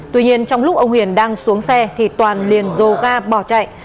tuy nhiên trong lúc ông hiền đang xuống xe thì toàn liền dồ ga bỏ chạy